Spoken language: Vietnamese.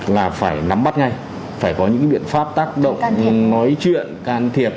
là phải nắm bắt ngay phải có những biện pháp tác động nói chuyện can thiệp